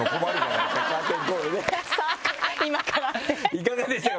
「いかがでしたか？」